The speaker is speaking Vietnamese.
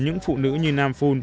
những phụ nữ như nam phun